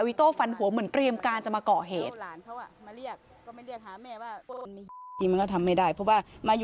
โต้ฟันหัวเหมือนเตรียมการจะมาก่อเหตุ